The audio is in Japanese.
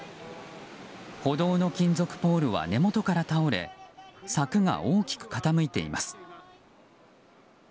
歩道の金属ポールは根元から倒れ柵が大きく傾いています。